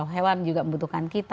hewan juga membutuhkan kita